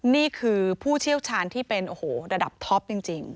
นี่คือผู้เชี่ยวชาญที่เป็นโอ้โหระดับท็อปจริง